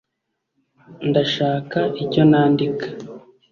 ndashaka icyo nandika